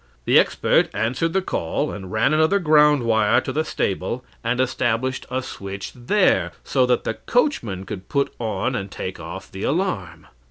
The expert answered the call, and ran another ground wire to the stable, and established a switch there, so that the coachman could put on and take off the alarm.